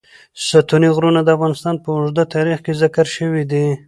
ستوني غرونه د افغانستان په اوږده تاریخ کې ذکر شوی دی.